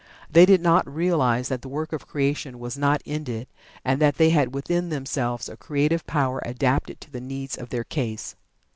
They did not realize that the work of creation was not ended, and that they had within themselves a creative power adapted to the needs of their case.